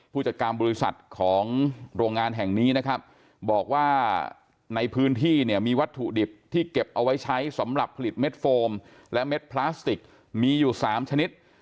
ผู้จัดการบริษัทของโรงงานแห่งนี้นะครับบอกว่าในพื้นที่เนี่ยมีวัตถุดิบที่เก็บเอาไว้ใช้สำหรับผลิตเม็ดโฟมและเม็ดพลาสติกมีอยู่๓ชนิด